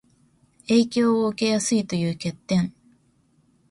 影響を受けやすいという欠点